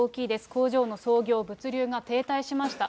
工場の操業、物流が停滞しました。